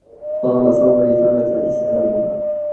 طال صبري فمتى إسعادها